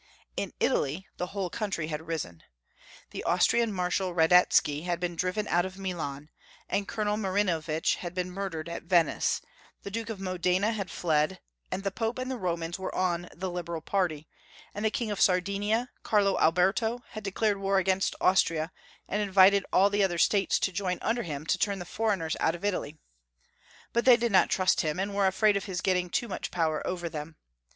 In Italy the whole country had risen. The Austrian Marshal Radetsky had been driven out of Milan, and Colonel Maiinovitch had been murdered at Venice ; the Duke of Modena had fled, the Pope and the Romans were on the Liberal party, and the King of Sardinia, Cario Alberto, had declared war against Austria, and invited all the other states to join under him to turn the foreigners out of Italy. But they did not trust him, and were afraid of his getting too much power over them.